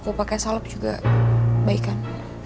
aku pakai salep juga baik kan